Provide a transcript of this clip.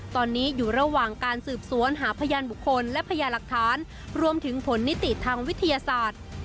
ตอนนี้อยู่ระหว่างการสืบสวนหาพยานบุคคลและพยาหลักฐานรวมถึงผลนิติทางวิทยาศาสตร์